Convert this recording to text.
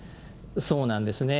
そうなんですね。